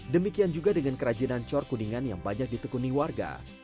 demikian juga dengan kerajinan cor kuningan yang banyak ditekuni warga